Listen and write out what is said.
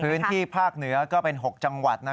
พื้นที่ภาคเหนือก็เป็น๖จังหวัด